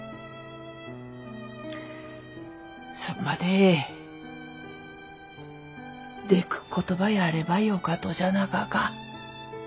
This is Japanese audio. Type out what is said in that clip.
それまででくっことばやればよかとじゃなかか。